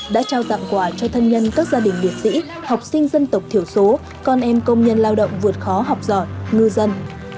đã trao tặng quà cho thân nhân các gia đình liệt sĩ học sinh dân tộc thiểu số con em công nhân lao động vượt khó học giỏi ngư dân